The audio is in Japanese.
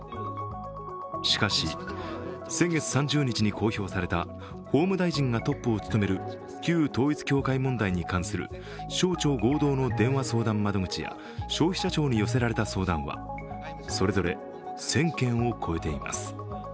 しかし、先月３０日に公表された法務大臣がトップを務める旧統一教会問題に関する省庁合同の電話相談窓口や消費者庁に寄せられた相談は、それぞれ１０００件を超えています。